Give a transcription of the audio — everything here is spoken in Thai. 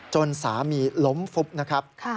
จนสามีล้มฟุบนะครับ